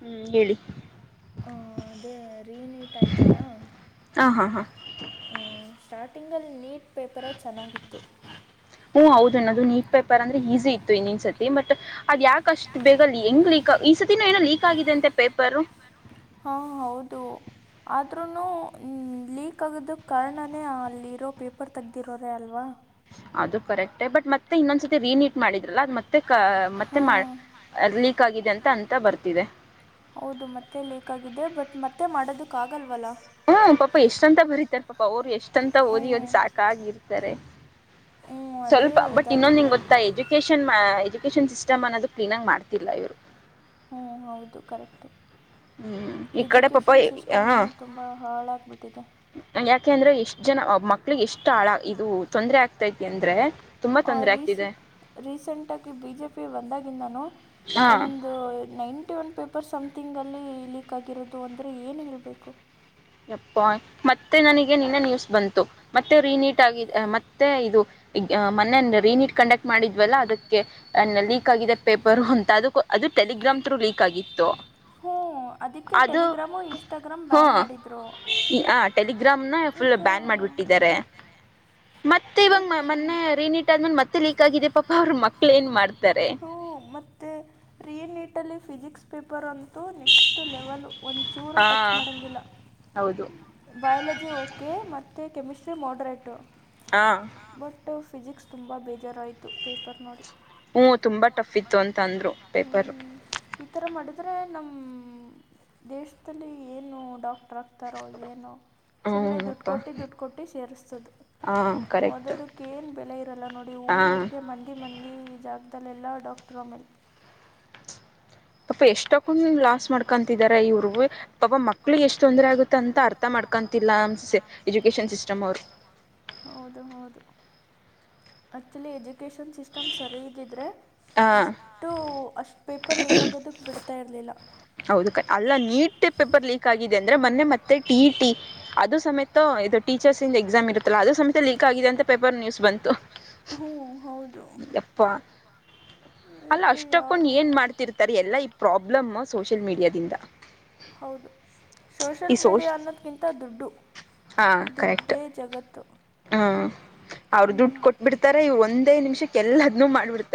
ಹ್ಮ್ ಹೇಳಿ ಹ ಅದೇ ರೀನೇಟ್ ಆಯ್ತಲ್ಲ [inaudible] ಹ [inaudible] ತಿಂಗಲ್ ನೀಟ್ ಪೇಪರೇ ಚೆನ್ನಾಗಿತ್ತು ಹ್ಮ ಹೌದು ಅನ್ನೋದು ನೀಟ್ ಪೇಪರ್ ಅಂದ್ರೆ ಈಸಿ ಇತ್ತು ಇನ್ ಸತಿ ಬಟ್ ಅದ ಯಾಕಷ್ಟ ಬೇಗ ಎಂಗ್ ಇಸಾತಿ ಏನೋ ಲೀಕ್ ಆಗಿದೆ ಅಂತೆ ಪೇಪರ್ ಹಾ ಹೌದು ಆದ್ರೂ ನು ಲೀಕ್ ಆಗದಕ್ಕೆ ಕಾರಣನೇ ಅಲ್ಲಿರೋ ಪೇಪರ್ ತೆಗ್ದಿರೋರೆೇ ಅಲ್ವಾ ಅದು ಕರೆಕ್ಟ್ ಹೇ ಬಟ್ ಮತ್ತೆ ಇನ್ನೊಂದ್ಸತಿ ರೀನೀಟ್ ಮಾಡಿದ್ರಲ್ಲ ಅ ಮತ್ತೆ ಮತ್ತೆ ಮಾಡ ಹಾಂ ಅ ಲೀಕ್ ಆಗಿದೆ ಅಂತ ಅಂತ ಬರ್ತಿದೆ ಹೌದು ಮತ್ತೆ ಲೇಕ್ ಆಗಿದ್ದ ಬಟ್ ಮತ್ತೆ ಮಾಡೋದಕ್ ಆಗಲ್ವಲ್ಲ ಹ್ಮ್ ಪಾಪ ಎಷ್ಟಂತ ಬರೀತಾರೆ ಪಾಪ ಅವ್ರು ಎಷ್ಟಂತ ಹ್ಞೂ ಓದಿ ಓದಿ ಸಾಕಾಗಿರ್ತಾರೆ ಹ್ಞೂ ಅದೇ ಸ್ವಲ್ಪ ಬಟ್ ಇನ್ನೊಂದ್ ನಿಂಗ ಇದಾಗಿರೋದು ಗೊತ್ತಾ ಎಜುಕೇಶಷನ್ ಎಜುಕೇಶನ್ ಸಿಸ್ಟಮ್ ಅನ್ನೋದು ಕ್ಲೀನ್ ಆಗ ಮಾಡ್ತಿರ್ಲ್ಲ ಇವರು ಹ್ಮ್ ಹೌದು ಕರೆಕ್ಟ್ ಹ್ಮ್ ಈ ಕಡೆ ಪಾಪ ಎಜುಕೇಶನ್ ಸಿಸ್ಟಮ ತುಂಬಾ ಹಾಳಾಗ್ಬಿಟ್ಟಿದೆ. ಯಾಕೆಂದ್ರೆ ಎಷ್ಟ್ ಜನ ಮಕ್ಳಿಗೆ ಎಷ್ಟು ಆಳ ಇದು ತೊಂದ್ರ ಆಗ್ತೈತಿ ಅಂದ್ರೆ. ತುಂಬಾ ತೊಂದರೆ ರೀಸ ಆಗ್ತಿದೆ ರೀಸೆಂಟಾಗಿ ಬಿ ಜೆ ಪಿ ಬಂದಾಗಿಂದಾನು ಹಾ ಒಂದು ನೈನ್. ಒನ್ ಪೇಪರ್ ಸಮ್ಥಿಂಗಲ್ಲಿ ಲೀಕ್ ಆಗಿರೋದು ಅಂದ್ರೆ ಏನ್ ಹೇಳ್ಬೇಕು ಮತ್ತೆ ನನಗ ನಿನ್ನ ನ್ಯೂಸ್ ಬಂತು ಮತ್ತೆ ನೀಟ್ ಆಗಿದೆ ಮತ್ತೆ ಇದು ಮೊನ್ನೆ ರಿ ನಿಟ್ ಕಂಡಕ್ಟ್ ಮಾಡಿದ್ವಲ್ಲ ಅದಕ್ಕೆ ಲೀಕ್ ಆಗಿದೆ ಪೇಪರ್ ಅಂತ ಅದುಟ ಎಕ್ಸಾಮ್ ಥ್ರೋ ಲೀಕ್ ಆಗಿತ್ತು ಹ್ಞೂ ಅದಕ್ಕೆ ಅದು ಟೆಲಿಗ್ರಾಮ್ು ಇನ್ಸ್ಟಾಗ್ರಾಮ್ ಹಾ ಬ್ಯಾನ್ ಮಾಡಿದ್ರು ಆ ಟೆಲಿಗ್ರಾಮ್ನ ಫುಲ್ ಬ್ಯಾನ್ ಮಾಡ್ಬಿಟ್ಟಿದ್ದಾರೆ ಮತ್ತೆ ಇವಾಗ ಮೊನ್ನೆ ೀನಿಟ್ ಲೈಕ್ ಆದ್ಮೇಲೆ ಮತ್ತೆ ಲೀಕ್ ಆಗಿದೆ ಪಾಪಾ ಅವರು ಮಕ್ಳ ಏನ್ ಮಾಡ್ತಾರೆ ಮತ್ತೆ ಯ ನೀಟ್ ಅಲ್ಲಿ ಫಿಸಿಕ್ಸ್ ಪೇಪರ್ ಒಂದ್ ನೆಕ್ಸ್ಟ್ ಲೆವೆಲು ಒಂಚೂರು ಹಾ ಟಚ್ ಮಾಡೋಂಗಿಲ್ಲ ಹೌದು ಬಯಾಲಜಿ ಓಕೆ ಮತ್ತೆ ಕೆಮಿಸ್ಟ್ರಿ ಮಾಡರೇಟ್ ಹಾ ಫಿಸಿಕ್ಸ್ ತುಂಬಾ ಬೇಜಾರಾಯಿತು ಪೇಪರ್ ನೋಡಿ. ಹ್ಮಞ ತುಂಬಾ ಟಫ್ ಇತ್ತು ಅಂತ ಅಂದ್ರು ಪೇಪರ್. ಹ್ಮ್ ಈ ಥರ ಮಾಡಿದರೆ ನಮ್ಮ ದೇಶದಲ್ಲಿ ಏನು ಡಾಕ್. ರಕ್ತಾರೋ ಏನೋ ಸುಮ್ಮನೆ ದುಡ್ಡು ಹ್ಞೂನಪ್ಪ ಕೊಟ್ಟು ದುಡ್ಡು ಕೊಟ್ಟು ಸೇರಿಸೋದು. ಹಾಂ ಕರೆಕ್ಟ್ ಓದೋದಕ್ಕೇಏನ್ ಬೆಲೆ ಇರಲ್ಲ ನೋಡಿ ಹಾಂ ಊರ್ೂಊರ್ಗೆ ಮಂದಿ ಮಂದಿ. ಲ್ಲಿ ಈ ಜಾಗಲ್ಲೆಲ್ಲ ಡಾಕ್ಟರ್ ಮೇಲೆ. ಪಪ ಎಷ್ಟಕ್ಕೊಂಡ ಲಾಸ್ ಮಾಡ್ಕೊಂತಿದಿದ್ದಾರೆ ಇವ್ರರುಗ ಪಪ ಮಕ್ಳು ಎಷ್ಟು ತೊಂದರೆ ಆಗುತ್ತ ಅಂತ ಅರ್ಥ ಮಾಡ್ಕ. ಅವರು ಹೌದು ಹೌದು. ಆಕ್ಚುಲಿ ಎಜುಕೇಶನ್ ಸಿಸ್ಟಮ್ ಸರಿ ಇದಿದ್ರೆ ಹಾಂ ಇಷ್ಟು ಅಷ್ಟ. ಪೇಪರ್ ಲೀಕ್ ಆಗೋದ ಬ್ತಾ ಇರಲಿಲ್ಲ. ಹೌದು ಕ ಅಲ್ಲ ನೀಟ್ ಪೇಪರ್ ಲೀಕ್ ಆಗಿದೆ ಅಂದರೆ ಮೊನ್ನೆ ಮತ್ತೆ ಟಿ ಇ ಟಿ ಅದು ಸಮೇತ ಇದು ಟೀಚರ್ಸ್ ಇ ಎಕ್ಸಾಮ್ ಇರುತ್ತಲ್ಲ ಅದು ಸಮೇತ ಲೀಕ್ ಆಗಿದೆ ಅಂತ ಪೇಪರ್ ನ್ಯೂಸ್ ಬಂತು. ಹ್ಮ್ ಹೌದು. ಯಪ್ಪ ಅಲ್ಲ ಅದಕ್ಕೆ ಅಷ್ಟಕ್ಕೊಂಡ ಯಾರು ಏನ್ ಮಾಡ್ತಿರ್ತಾರೆ ಎಲ್ಲಾ ಈ ಪ್ರಾಬ್ಲಮ ಸೋಷಿಯಲ್ ಮೀಡಿಯಾದಿಂದ. ಹೌದು ಸೋಷಿಯಲ್ ಈ ಸೋಶ್ ಮೀಡಿಯಾ ಅನ್ನೋದ್ಕ್ಕಿಂತ ದುಡ್ಡು. ದುಡ್ಡೆ ಜಗತ್ತು. ಹ್ಮ ಅವ್ರ ದುಡ್ಡು ಕೊಟ್ಬಿಡ್ತಾರೆ ಒಂದೇ ನಿಮಿಷಕ್ಕೆ ಎಲ್ಲಾದನುೂ ಮಾಡ್ಬಿಡ್ತಾರೆ.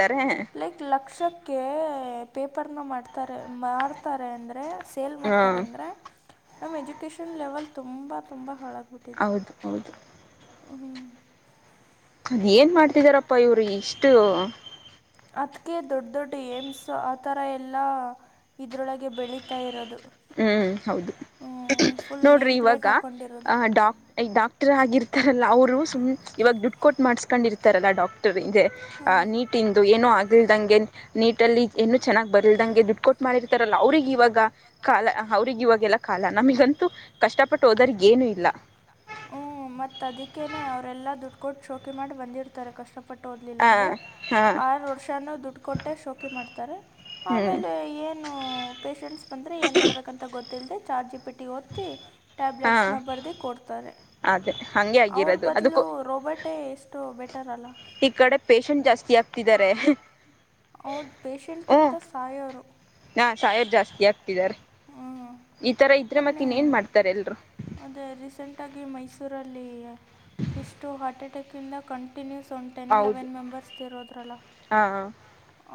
ಲೈಕ್ ಲಕ್ಷಕ್ಕೆ ಪೇಪರ್ನ ಮಾಡ್ತಾರೆ ಮಾಡ್ತಾರೆ ಅಂದ್ರೆ. ಸೇಲ್ ಹಾ ಮಾಡ್ತಾರೆ ಅಂದ್ರೆ ನಮ್ಮ ಎಜುಕೇಶನ್ ಲೆವೆಲ್ ತುಂಬ ತುಂಬ ಹಾಲಗ್ತಿದೆ. ಹೌದು ಹೌದು. ಹ್ಮ್. ಅದೇನ್ ಮಾಡ್ತಿದ್ದರಪ್ಪ ಇವರಿಷ್ಟು. ಅದಕ್ಕೆ ದೊಡ್ಡ ದೊಡ್ಡ ಏಮ್ಸ್ ಆ ಥರ ಎಲ್ಲ ಇದರೊಳಗೆ ಬೆಳೀತಾ ಇರೋದು. ಹ್ಮ್ ಹೌದು. ಹಂ ಫುಲ್ ನೇಮ್ ಪ್ಲೇಟ್ ಹಾಕೊಂಡಿರೊ. ಆ ಡಾಕ್ ಡಾಕ್ಟರ್ ಆಗಿರ್ತಾರಲ್ಲ ಅವ್ರು ಸುಮ್ ಇವಾಗ ದುಡ್ಡು ಕೊಟ್ಟ. ಮಾಡ್ಸ್ಕೊಂಡಿರ್ತಾರಲ್ಲ ಡಾಕ್ಟರ್ ಇದೆ ಹ್ಮ್ ನೀಟಿಂದು ಏನೋ ಆ. ಗಿಲ್ದಂಗೆ ನೀಟಲ್ಲಿ ಏನು ಚೆನ್ನ್ ಬರ್ಲ್ದಂಗೆ ದುಡ್ಡು ಕೊಟ್ಟು ಮಾಡಿರ್ತಾರಲ್ಲ ಅವ್ರಿಗೆ ಇವಾಗ. ಕಾಲ ಅವ್ರಿಗೆ ಇವಾಗೆಲ್ಲ ಕಾಲ ನಮಗಂತೂ ಕಷ್ಟಪಟ್ಟು ಹೋದ್ರ ಏನು ಇಲ್ಲ. ಹಂ ಮತ್ ಅದಿಕ್ಕೆನೆ ಅವರೆಲ್ಲಾ ದುಡ್ಡು ಕೊಟ್ಟು ಶೋಕಿ ಮಾಡಿ ಬಂದಿರ್ತಾರೆ ಕಷ್ಟಪ. ಪಟ್ಟು ಹೋದ್ಲಿಲ್ಲ ಹ ಅಂಗೆ ಹಾ ಆರು ವರ್ಷಾನ ದುಡ್ಡು ಕೊಟ್ಟೆ ಶೋಕಿ ಮಾಡ್ತಾರೆ ಹ್ಮ್ ಆಮೇಲೆ. ಏನು ಪೇಶಷೆಂಟ್ಸ್ ಬಂದ್ರೆ ಏನ್ ಮಾಡ್ಬೇಕಂತ ಗೊತ್ತ. ಲ್ದೆ ಚಾಟ್ ಜಿಪಿಟಿ ಹೊತ್ತಿ ಹಾ ಟ್ಯಾಬ್ಲೆಟ್ಸ್ ನ ಬರ್ದಿ ಕೊಡ್ತಾರೆ. ಅದೇ ಹಂಗೆ ಅವ್ರ ಆಗಿರೋದು ಬದ್ಲು ಅದಕ್ಕೂ ರೋಬೊಟೆ ಎಷ್ಟು. ಬೆಟರ್ ಅಲ್ಲ ಈ ಕಡೆ ಪೇಶಂಟ್ ಜಾಸ್ತಿ ಆಗ್ತಿದ್ದಾರೆ. ಹೌದು ಪೇಷಂಟ್ ಹ್ಮ್ ಗಿಂತ ಸಾಯರು. ಈತರ ಇದ್ರೆ ಮತ್ತೆ ಇನ್ನೇನ್ ಮಾಡ್ತಾರೆ ಎಲ್ರೂ. ಅದೇ ರೀಸೆಂಟಾಗಿ ಮೈಸೂರಲ್ಲಿ ಇಷ್ಟು ಹಾರ್ಟ್ ಅಟ್ಯಾಕ್ ಇಂದ ಕಂಟ. ಕಂಟಿನ್ಯೂಸ್ ಒ ಟೆನ್ ಹೌದು ಲೆವೆನ್ ಮೆಂಬರ್ಸ್ರೋದ್ರಲ್ಲ ಹಾ ಹಾ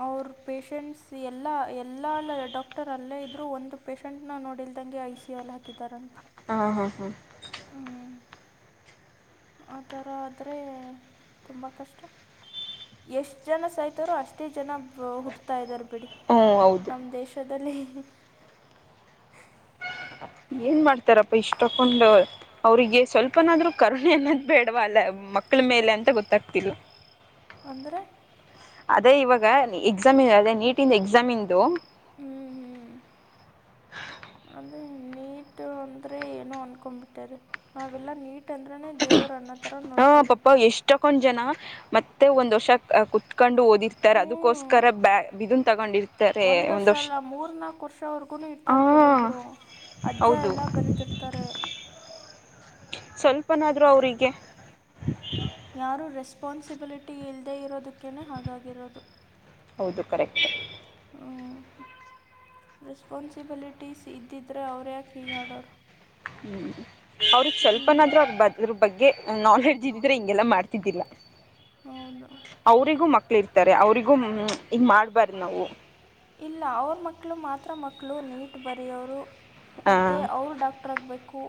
ಅವಾರ್ ಪಷೆಂಟ್ಸ್ ಎಲ್ಲ ಎಲ್ಲ ಡಾಕ್ಟರ್ ಅಲ್ಲೇ ಇದ್ರು ಒಂದು ಪೇಶಂಟ್ ನ ನೋಡಿಲ್ದಂಗೆ ಐಸಿಯು ನಲ್ಲಿ ಹಾಕಿದ್ದಾರಂತೆ ಹಾ ಹಾ ಹಾ. ಹ್ಮ. ಆ ಥರ ಆದರೆ ತುಂಬ ಕಷ್ಟ. ಎಷ್ಟ ಜನ ಸಾಯತಾರೋ ಅಷ್ಟೇ ಜನ. ಹುಡ್ತಾ ಇದಾರೆ ಬಿಡಿ ಹ್ಮ ಹೌದು ನಮ್ಮ ದೇಶದಲ್ಲಿ. ಏನ್ ಮಾಡ್ತಾರಪ್ಪ ಇಷ್ಟ ತಕೊಂಡ್ ಅವ್ರಿಗೆ ಸ್ವಲ್ಪನಾದ್ರು ಕರುಣೆ ಅನ್ನದ್ ಬೇಡವ ಅಲ್ಲ. ಮಕ್ಕಳ ಮೇಲೆ ಅಂತ ಗೊತ್ತಾಗ್ತಿಲ್ಲ ಅಂದರೆ. ಅದೇ ಇವಾಗ ಎಕ್ಸಾಮ್ ಇ ಅದೇ ನೀಟ ಎಕ್ಸಾಮ್ ದು. ಹ ಅದೇ ನೀಟ ಅಂದರೆ ಏನು ಅನ್ಕೊಂಡ್ಬಿಟ್ಟಿದ್ದಾರೆ ನಾವೆಲ್ಲ ನೀಟ್ ಅಂದ್ರೇ ದೇವ್ರು ಅನ್ನೋ ಥರ ಹ ನೋಡ್ತೀವಿ ಪಾಪ ಎಷ್ಟೊಕೊನ್ದು ಜನ ಮತ್ತೆ ಒಂದ್ ವರ್ಷ ಕುತ್ಕೊಂಡು ಓದ್ ದಿರ್ತಾರೆ ಹ್ಞೂ ಅದಕ್ಕೋಸ್ಕರ ಬ ಬನ್ ತಗೊಂಡಿರ್ತಾರೆ ಒಂದು ಒಂದ ವರ್ಷ. ಹಾ ಕೆಲವೊಬ್ರು ಅಜ್ಜ ಹೌದು ಎಲ್ಲ ಬರಿತಿರ್ತಾರೆ ಸ್ವಲ್ಪನಾದ್ರು ಅವ್ರಿಗೆ ಯಾರು ರೆಸ್ಪಾನ್ಸಿಬಿಲಿಟಿ ಇಲ್ದೇ ಇರೋದಕ್ಕನೆ ಹಾಗಾಗಿರೋದು ಹೌದು ಕರೆಕ್ಟ್ ಹ್ಮ್ಮ್ ರೆಸ್ಪಾನ್ಸಿಬಿಲಿಟೀಸ್ ಇದ್ದಿದ್ರೆ. ಯಾಕೆ ಹೀಗೆ ಆಡೋರು ಹ್ಮ್ ಅವ್ರಗೆ ಸ್ವಲ್ಪನಾದ್ರೂ ಬದ್ರ ಬಗ್ಗೆ ನಾಲೆಜ್ ಇದಿದ್ರೆ ಹ್ಞೂ ಹಿಂಗೆಲ್ಲಾ ಮಾಡ್ತ ದ್ದಿಲ್ಲ ಹೌದು ಅವರಿಗೂ ಮಕ್ಕಳು ಇರ್ತಾರೆ ಅವರಿಗೂ ಹಂ ಹಿಂಗ್ ಮಾಡ್ಬಾರ್ದು ನಾವು ಇಲ್ಲ ಅವ್ರ ಮಕ್ಕಳು ಮಾತ್ರ ಮಕ್ಕಳು ನೀಟ್ ಬರೆಯೋರು. ಆ ಮತ್ತೆ ಅವರು ಡಾಕ್ಟ್ರಾಗಬೇಕು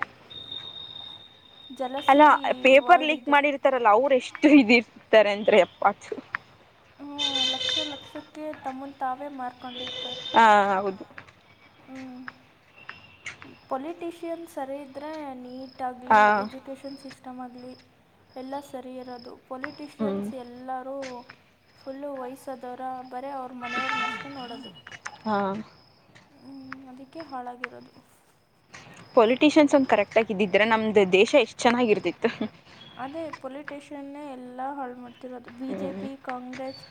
ಗು ಅಲ್ಲ ಪೇಪರ್ ಲೀಕ್ ಮಾಡಿರ್ತಾರಲ್ಲ ಅವ್ರ ಎಷ್ಟು ಇದಿರ್ತಾರೆ ಅಂದ್ರೆ ಅಪ್ಪಾ ಥು ಹೂ ಲಕ್ಷ ಲಕ್ಷಕ್ಕೆ ತಮ್ಮ ತಾವೇ ಮಾರ್ಕೊಂಡಿರ್ತಾರೆ. ಹಾ ಹೌದು ಹ್ಞೂ ಪೊಲಿಟಿಷಿಯನ್ ಸರಿ ಇದ್ರೆ ನೀಟ್ ಆಗ್ಲಿ ಹಾ ಎಜುಕೇಶನ್ ಸಿಸ್ಟ್ ಸಿಸ್ಟಮ್ ಆಗ್ಲಿ ಎಲ್ಲ ಸರಿ ಇರೋದು ಹ್ಮ್ ಪೊಲಿಟಿಷಿಯನ್ಸ್ ಎಲ್ಲರೂ. ಫುಲ್ಲು ವಯಸ್ಸಾದವರ ಬರೇ ಅವ್ರ ಮನೆಯವ್ರ ನಷ್ಟ ನೋಡೋದು ಹಾ ಹ್ಮ ಅದಕ್ಕೆ ಹಾಳಾಗಿರೋದು ಪೊಲಿಟಿಷಿಯನ್ಸ್ ಒಂದು ಕರೆಕ್ಟ್ ಆಗ ಇದಿದ್ರೆ ನಮ್ದು ದೇಶ ಎಷ್ಟು ಚೆನ್ನಾಗಿರ್ತಿತ್ತು ಚಣ್ಣ ಎಲ್ಲ ಹಳಮಟ್ಟ ದು ಬಿ ಜೆ ಹ್ಮ್ ಪಿ ಕಾಂಗ್ರೆಸ್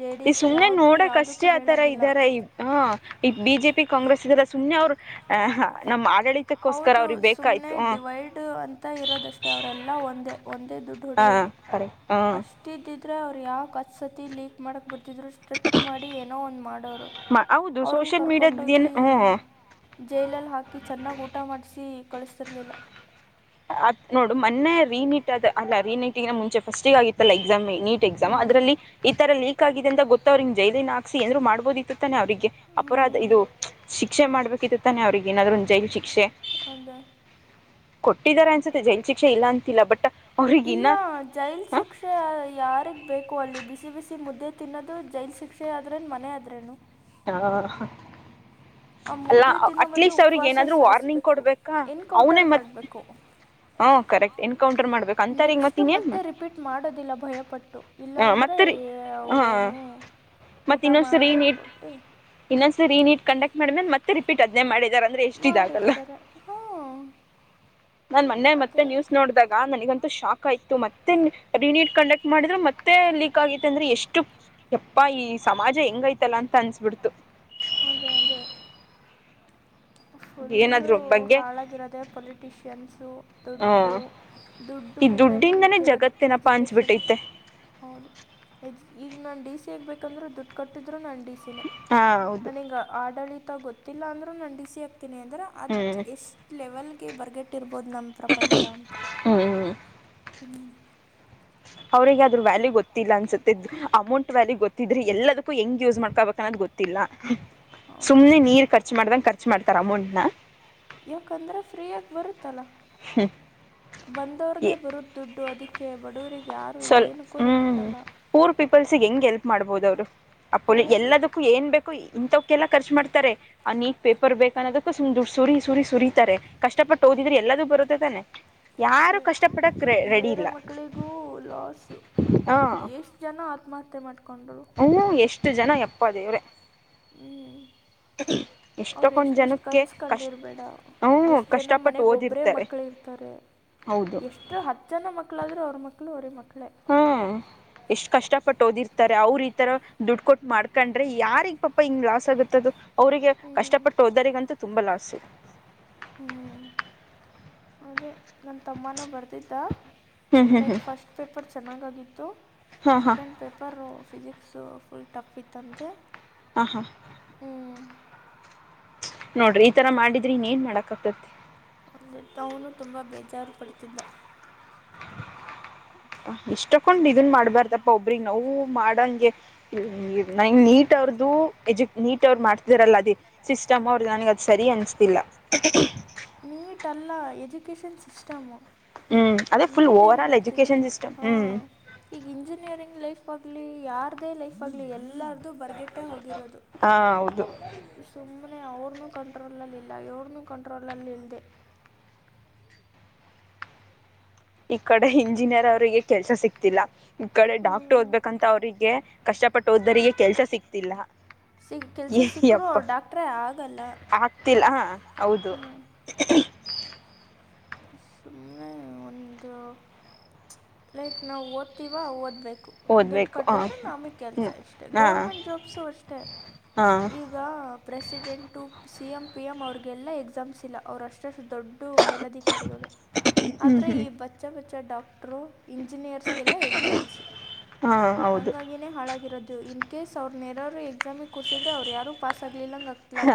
ಜೆ ಡಿ ಈ ಎಸ್ ಸುಮ್ನೆ ಯಾವುದೂ ನೋಡಕ್ ಅಷ್ಟೇ ಯಾವುದಕ್ಕೂ ಆತರ ಹೇಳಾಗಿಲ್ಲ ಇದಾರೆ ಈ ಹ ಈ ಬಿಜೆ ಪಿ ಕಾಂಗ್ರೆಸ್ ಇದಲ್ಲ ಸುನ್ಯ ಅವ್್ರ ನಮ್ಮ್ ಹೌದು ಸುಮ್ನೆ ಡಿವೈಡ್ ಅಂತ ಇರೋದಷ್ಟೇ ಅವರೆಲ್ಲಾ ಒಂದೇ ಒಂದೇ ದುಡ್ಡು ಹಾ ಹೊಡಿಯೋದು ಸರಿ ಅಷ್ಟ ಇದ್ದಿದ್ರೆ ಅವ್ರು ಯಾವ ಕತ್ ಸತಿ ಲೀಕ್ ಮಾಡಕ್ ಬಿಟ್ಟ ಕತ್ತಿದ್ರು ಸ್ಟ್ರಿಕ್ಟ್ ಮಾಡಿ ಏನೋ ಒಂದು ಮಾಡೋರು ಹೌದು ಅವ್ರನ್ನ ಸೋಷಿಯಲ್ ಮೀಡಿಯಾದ ಏನ್ ಕರ್ಕೊಂಡೋಗಿ ಹ್ಮ ಜೈಲಲ್ಲಿ ಹಾಕಿ ಚೆನ್ನಾಗಿ ಊಟ ಮಾಡಿಸಿ ಕಳಿಸ್ತಿರ್ಲಿಲ್ಲ ಅ ನೋಡು ಮೊನ್ನೆ ರೀನಿಟ್ ಆದ ಅಲ್ಲ ರೀನಿಟ ಮುಂಚೆ ಫಸ್ಟಿಗ ಆಗಿತ್ತಲ್ಲ ಎಕ್ಸಾಮಿ ನೀಟ್ ಎಕ್ಸಾಮ್ ಹ್ಮ್ ಅದರಲ್ಲಿ ಈ ತರ ಲೀಕ್ ಆಗಿದೆ ಅಂದ ಗೊತ್ತ ಅವ್ರಿಿಗೆ ಜೈಲಿನನ್ಾಕ್ಿ ಎಂದ್ರು ಮಾಡ್ಬೋದ ಇತ್ತುತ್ತಾನೆ ಅವ್ರಿಗೆ ಅಪರ ಅದ ಇದು ಶಿಕ್ಷೆ ಮಾಡ್ಬೇಕಿತ್ತು ತಾನೆ ಅವ್ರಿಗೆ ಏನಾದ್ರು ಒಂದ ಜೈಲ ಶಿಕ್ಷೆ ಅಂದು ಕೊಟ್ಟಿದಿದ್ದಾರೆ ಅನ್ಸುತ್ತೆ ಜೈನ್ ಶಿಕ್ಷೆ ಇಲ್ಲ ಅಂತಿಲ್ಲ ಬಟ್ ಅವ್ರಿಗಿನ್ನ ಇಲ್ಲ ಜೈಲ್ ಶಿಕ್ಷೆ ಯಾರಗ್ ಬೇಕು ಅಲ್ಲಿ ಬಿಸಿ ಬಿಸಿ ಮುದ್ದೆ ತಿನ್ನೋದು ಜೈಲ್ ಶಿಕ್ಷೆ ಆದ್ರೇನು ಮನೆ ಆದ್ರೇನು ಹ ಆ ಅಲ್ಲ ಮುದ್ದೆ ತಿನ್ನೋ ಮೊದ್ಲು ಅಟ್ಲೀಸ್ಟ್ ಅವ್ರಿಗೆ ಉಪವಾಸ ಏನಾದ್ರು ವಾರ್ನಿಂಗ್ ಸಾಯಿಸ್ಬೇಕು ಕೊಡ್ಬೇಕಾ ಅವನೇ ಎನ್ಕೌಂಟರ್ ಮತ್ ಮಾಡ್ಬೇಕು ಹ ಕರೆಕ್ಟ್ ಎನ್ಕೌಂಟರ್ ಮಾಡ್ಬೇಕು ಅಂತವ್ರಗ್ ಮತ್ ನೆಕ್ಸ್ಟ್ ಇನ್ನೇನ್ ಮತ್ತೆ ರಿಪೀಟ್ ಮಾಡೋದಿಲ್ಲ ಭಯಪಟ್ಟು ಇಲ್ಲ ಅಂದ್ರೆ ಸರಿ ಹಾ ಮತ್ತ ಊಟ ಇನ್ನೊಂದ್ಸರಿ ಮಾಡಿ ನೀಟ್ ಕೊಟ್ಟು ಇನ್ನೊಂದ್ಸರಿ ನೀಟ್ ಕಂಡಕ್ಟ್ ಮಾಡಿದ್ಮೇಲೆ ಮತ್ತೆ ರಿಪೀಟ್ ಅದ್ೇ ಮಾಡಿದ ಮಾಡಿರ್ತಾರೆ ಹಾ ನಾನ್ ಮೊನ್ನೆ ಮತ್ತೆ ನ್ಯೂಸ್ ನೋಡ್ದಾಗ ನನಗಂತೂ ಶಾಕ್ ಆಯ್ತು ಮತ್ತೆರಿ ಕಂಡಕ್ಟ್ ಮಾಡಿದ್ರೆ ಮತ್ತೆ ಲೀಕ್ ಆಗೈತೆ ಅಂದ್ರೆ ಎಷ್ಟು ಎಪ್ಪಾ ಈ ಸಮಾಜ ಹೆಂಗೈತಲ್ಲ ಅಂತ ಅನ್ಸ ಅದ ಅಂದು ಫುಲ್ಲು ಏನಾದ್ರು ಬಗ್ಗೆ ಹಾಳಾಗಿರೋದೆ ಪೊಲಿಟಿಷಿಯನ್ಸ ಹ ದುಡ್ಡು ದುಡ್ಡು ಈ ಮುಂದೆನೇ ದುಡ್ಡಿಂದಾನೇ ನಿಂತಿರೋದು ಜಗತ್ತೇನಪ್ಪಾ ಎಜುಕೇಷನ್ ಅಂಚ್ಬಿಟ್ಟೈತೆ ಹೌದು ಎ್ ಈಗ ನಾನ್ ಡಿ ಸಿ ಆಗ್ ಬೇಕಂದ್ರೆ ದುಡ್ಡು ಕೊಟ್ಟಿದ್ರು ನಾನ್ ಸಿನೆ ಹಾ ಹೌದು ನಾನೀಗ ಆಡಳಿತ ಗೊತ್ತಿಲ್ಲ ಅಂದ್ರೆ ನಾನ ಿಸಿ ಹಾಕ್ತೀನಿ ಅಂದ್ರೆ ಅ್ ಹ್ಮ್ ಎಷ್ಟ್ ಲೆವೆಲ್ಗೆ ಬರ್ಗೆಟ್ರ್ಬ ಪೊದನ್ನ ಪ್ರಪಂಚ ಅಂತ ಹ್ಮ್ ಹ್ಮ್. ಅವ್ರಗ ಆದ್ರೂ ವ್ಯಾಲ್ಯೂ ಗೊತ್ತಿಲ್ಲ ಅನ್ಸುತ್ತಿದ ಅಮೌಂಟ್ ವ್ಯಾಲ್ಯೂ ಗೊತ್ತಿದ್ರೆ ಎಲ್ಲದಕ್ಕೂ ಹೆಂಗ್ ಯೂಸ್ ಮಾಡ್ಕೋಬೇಕ ಅನ್ನೋದು ಗೊತ್ತಿಲ್ಲ ಹೌದು ಸುಮ್ನೆ ನೀರ್ ಖರ್ಚು ಮಾಡ್ದಂ ಖರ್ಚು ಮಾಡ್ತಾರ ಅಮೌಂಟ್ನ ಯಾಕಂದ್ರೆ ಫ್ರೀಯಾಗಿ ಬರುತ್ತಲ್ಲ ಎ ಬಂದವ್ರಗೆ ಬರುದ ದುಡ್ಡು ಅದಕ್ಕೆ ಕೇಬಡೂರೆ ಸ್ವಲ್ ಹ್ಮ್ ಪೂರ್ ಪೀಪಲ್ಸ್ಗೆ ಹೆಂಗ್ ಹೆಲ್ಪ್ ಮಾಡ್ಬೋದ ಅವರು ಅಪ್ಪೊಲಿ ಹೌದು ಹ್ಮ್. ಎಲ್ಲದಕ್ಕೂ ಏನ್ ಬೇಕು ಇಂಥವಕ ಎಲ್ಲ ಖರ್ಚು ಮಾಡ್ತಾರೆ ಆ ನೀಟ್ ಪೇಪರ್ ಬೇಕ ಅನ್ನೋದಕ್ಕೂ ಸು್ಡ್ ಸುರಿ ಸುರಿ ಸುರತಾರೆ ಕಷ್ಟಪಟ್ಟುೋಗ ಕುದಿದ್ರರು ಎಲ್ಲದು ಬರುದ ತಾನೆ ಯಾರು ಕಷ್ಟ ಪಡಕ್ ರ ರೆಡಿ ಇಲ್ಲ ಲಾಸ್ು ಎಷ್ಟು ಜನ ಆತ್ಮಹತ್ಯೆ ಮಾಡ್ಾರೆ ಹ್ಮ ಎಷ್ಟು ಜನ ಎಪ್ಪ ದೇವ್ರೆ ಹ ಅವ್ರ ಎಷ್ಟ ಎಷ್ಟು ಕನ್ಸ್ಕಂಡಿರ್ಬೇಡ ಹ್ಞೂ ಎಷ್ಟ್ ಜನ ಕಷ್ಟಪಟ್ಟು ಮನೆಗ್ ಒಬ್ರೇ ಓದಿರ್ತಾರೆ ಮಕ್ಳ ಇರ್ತಾರೆ ಹೌದು ಎಷ್ಟು ಹತ್ತು ಜನ ಮಕ್ಳಾದ್ರರು ಅವ್ರ ಮಕ್ಳು ಅವರೇ ಮಕ್ಳು ಹ್ಮ ಎಷ್ಟ್ ಕಷ್ಟಪಟ್ಟು ಓದಿರ್ತಾರೆ ಅವ್ರ ಈತರ ದುಡ್ಡು ಕೊಟ್ಟು ಮಾಡ್ಕೊಂಡ್ರೆ ಯಾರಿಗ್ ಪಾಪಾ ಹಿಂಗ್ ಲಾಸ್ ಆಗುತ್ತದು ಅವ್ರಿಗೆ ಹ್ಮ್. ಕಷ್ಟಪಟ್ಟು ಹಓದ್ದರಿಗಂತೂ ತುಂಬಾ ಲಾಸ್ ಇದೆ ಹ್ಮ್. ಅದೇ ನನ್ನ ತಮ್ಮನೂ ಬರ್ದಿದ್ದ ಹ್ಮ್ ಹ್ಮ್ ಲೈಕ್ ಹ್ಮ್ ಫಸ್ಟ್ ಪೇಪರ್ ಚೆನ್ನಾಗಾಗಿತ್ತು ಹಾ ಹಾ second paper physics full tough ಇತ್ತಂತೆ ಹ ಹಾ ಹ್ಞೂ ನೋಡ್ರಿ ಈ ತರ ಮಾಡಿದ್ರಿ ಇನ್ ಏನ್ ಮಾಡಕ ಆಗ್ತತಿ [unintelligible] ಅಂದೆ ತನು ತುಂಬಾ ಬೇಜಾರು ಪಡ್ತಿದ್ದ [inaudible] ಇಷ್ಟಕೊಂಡ್ ಇದನ್ ಮಾಡ್ಬಾರ್ದಪ್ಪಾ ಒಬ್ರಿ ನಾವು ಮಾಡಂಗೆ ನ ನೀ ನೀಟ್ ಅವ್ರು ಎಜು ನೀಟ್ ಅವ್ರು ಮಾಡ್ತಿದರಲ್ಲ ಅ ಸಿಸ್ಟಮ್ ಅವ್ರ ನನ ಸರಿ ಅನ್ನಿಸ್ತಿಲ್ಲ ಟ್ಲ್ಲ ಎಜುಕೇಷನ್ ಸಿಸ್ಟಮ ಹ್ಮ್ ಅದೇ [unintelligible] ಫುಲ್ ನೀಟ್ ಏನ್ ಓವರ್ ಆಲ್ ಮಾಡ್ತಿದೆ ಎಜುಕೇಶನ್ ಸಿಸ್ಟಮ್ ಹಾ ಹ್ಮ್ ಈಗ ಇಂಜಿನಿಯರಿಂಗ್ ಲೈಫ್ ಆಲಿ ಯಾರದೇ ಲೈಫ್ ಆಗ್ಲಿ ಎಲ್ಲ ಎಲ್ಲಾರದುು ಬರ್ಗಟ್ಟೆ ಹೋಗಿರೋದು ಹಾ ಹೌದು ಸುಮ್ಮ್ನೆ ಅವ್ರನು ಕಂಟ್ರೋಲ್ಲ್ಲಿಲ್ಲ ಎವ್ರನುೂ ಕಂಟ್ರೋಲಲ್ಲಿ ಇಲ್ಲದೆ ಈ ಕಡೆ ಇಂಜಿನಿಯರ್ ಅವ್ರರಿಗೆ ಕೆಲ್ಸ ಸಿಕ್ತಿಲ್ಲ ಈ ಕಡೆ ಹ್ಞೂ ಡಾಕ್ಟರ್ ಓದ್ಬೇಕಂತ ಅವ್ರರಿಗೆ ಕಷ್ಟಪಟ್ಟು ಹಓದ್ದರಿಗೆ ಕೆಲ್ಸ ಸಿಕ್ತಿಲ್ಲ ಸಿಗ್ತಿಲ್ಲ ಸಿಗ್ ಕೆಲಸ ಸಿಕ್ಕರೂ ಏ್ಯಪ್ಪ ಅವ್ರು ಡಾಕ್ಟ್ರೇ ಆಗಲ್ಲ ಆಗ್ತಿಲ್ಲ ಹೌದು ಹ್ಞೂ [unintelligible] ಇ ಸುಮ್ನೆ ಒಂದು ಲೈಕ್ ನಾವವು ಓದ್ತಿಿವ ಓದ್ಬೇಕು ಬೇಕು ದುಡ್ಡು ಓದಬೇಕು ಹಾಂ ಕಟ್ಟಿದ್ರೆ ನಮಗೆ ಕೆಲಸ ಹ್ಞೂ ಇಷ್ಟೇ ಹಾಂ ಗೌರ್ಮೆಂಟ್ ಜಾಬ್ಸು ಅಷ್ಟೇ ಹಾಂ [unintelligible] ಈಗ president C C M P M ಅವ್ರರಿಗೆಲ್ಲ ಎಕ್ಸಾಮ್ಸ್ ಇಲ್ಲ ಅವರು ಅಷ್ಟಷ್ಟು ದೊಡ್ಡ ಮೇಲದ ಸರಿಗಳು ಆದ್ರೆ ಈ ಬಚ್ಚ ಬಚ್ಚ ಡಾಕ್ಟರು ಇಂಜಿನಿಯರ್ಸ್ಗೆಲ್ಲ ಎಕ್ಸಾಮ್ಸು ಹಾಂ ಹೌದು ಹಾಗಾಗಿನೇ ಹಾಳಾಗಿರೋದು [inaudible] ಇನ್ ಕೇಸ್ ಅವ್ರು ನೇರಾರರು ಎಸಾಮಿ ಕ ಕೊಡಸಿದ್ರೆ ಅವ್ ಯಾರು ಪಸ್ ಆಗ ಹಾ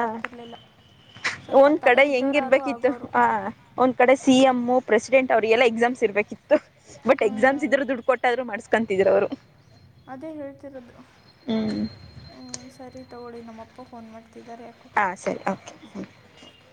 ಸ್ವಲ್ಪ ಒಂದ್ ತಲೆ ಕಡೆ ಇದ್ದವ್ರು ಯಾರೋ ಹೆಂಗಿರ್ಬೇಕಿತ್ತು ಆಗೋರು ಹ ಒಂದ್ ಕಡೆ ಸಿ ಎಂ್ ಪ್ರೆಸಿಡೆಂಟ್ ಅವರಿಗೆ ಎಲ್ಲ ಎಕ್ಸಾಮ್ಸ್ ಇರ್ಬೇಕಿತ್ತು ಬಟ್ ಹ್ಞೂ ಎಕ್ಸಾಮ್ಸ್ ಇದ್ರರು ದುಡ್ಡು ಕೊಟ್ಟಾದ್ರು ಮಾಡ್ ಕಂತಿದ್ರು ಅವ್ರು ಅದೇ ಹೇಳ್ತಿರೋದು ಹ್ಞೂ ಹ ಸರಿ ತಗೊಳ್ಳಿ ನಮ್ಮಪ್ಪ ಫೋನ್ ಮಾಡ್ತ ಗತ್ತಿದ್ದಾರೆ ಯಾಕೋ ಹಾಂ ಸರಿ ಓಕೆ ಸರಿ ಓಕೆ